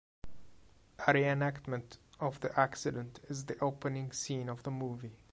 A re-enactment of the accident is the opening scene of the movie.